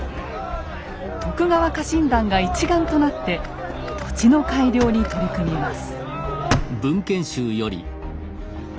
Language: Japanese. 徳川家臣団が一丸となって土地の改良に取り組みます。